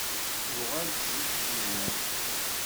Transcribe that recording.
Yuɣal-d seg Ccinwa.